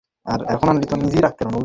তোরা সবাই আয়।